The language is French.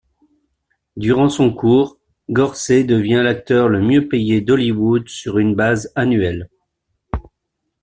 Durant son cours, Gorcey devient l'acteur le mieux payé d'Hollywood sur une base annuelle.